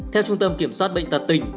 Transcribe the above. theo trung tâm kiểm soát bệnh tật tỉnh